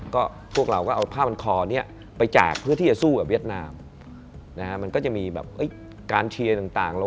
ก็พวกเราก็เอาผ้ามันคอนี้ไปแจกเพื่อที่จะสู้กับเวียดนามนะฮะมันก็จะมีแบบการเชียร์ต่าง